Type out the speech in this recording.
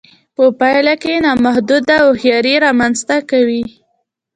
په پايله کې نامحدوده هوښياري رامنځته کوي.